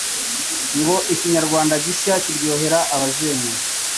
Ngo ikinyarwanda gishya kiryohera abajene